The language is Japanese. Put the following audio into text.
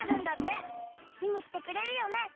みにきてくれるよね？